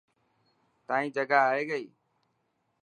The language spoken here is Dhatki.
تائن جگا آئي گئي.